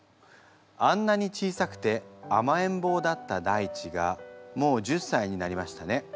あんなに小さくてあまえんぼうだった大馳がもう１０歳になりましたね。